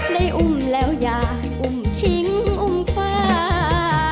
ได้อุ้มแล้วอย่าอุ้มทิ้งอุ้มฟ้า